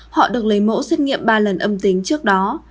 họ được lấy mẫu xét nghiệm ba lần âm tính trước đó